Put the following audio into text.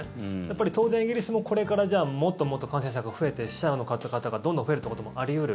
当然、イギリスもこれからもっともっと感染者が増えて死者の数がどんどん増えるということもあり得る。